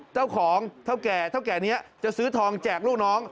เจ้าของเท่าแก่เท่าแก่นี้จะซื้อทองแจกลูกน้อง